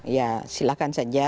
ya silakan saja